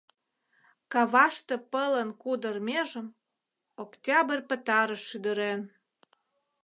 Каваште пылын кудыр межым Октябрь пытарыш шӱдырен.